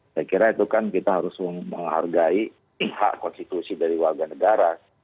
saya kira itu kan kita harus menghargai hak konstitusi dari warga negara